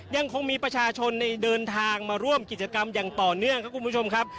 ยังคงมีประชาชนเดินทางมาร่วมกิจกรรมอย่างต่อเนื่องครับคุณผู้ชมครับ